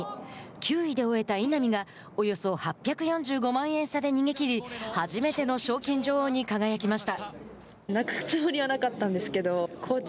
９位で終えた稲見がおよそ８４５万円差で逃げきり初めての賞金女王に輝きました。